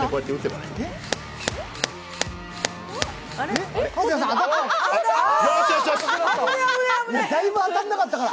だいぶ当たらなかったから。